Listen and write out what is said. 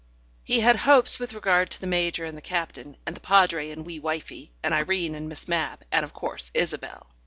He had hopes with regard to the Major and the Captain, and the Padre and wee wifie, and Irene and Miss Mapp, and of course Isabel.